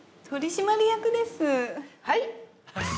はい？